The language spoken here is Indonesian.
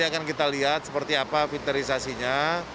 kita akan kita lihat seperti apa filterisasinya